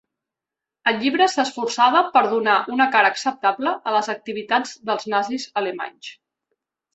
El llibre s"esforçava per donar una cara acceptable a les activitats del nazis alemanys.